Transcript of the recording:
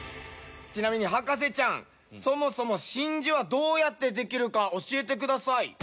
ちなみに博士ちゃんそもそも真珠はどうやってできるか教えてください。